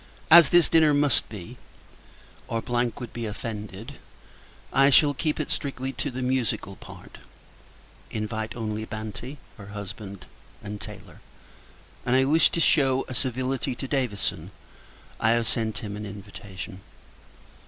As this dinner must be, or would be offended, I shall keep it strictly to the musical part; invite only Banti, her husband, and Taylor; and, as I wish to shew a civility to Davison, I have sent him an invitation.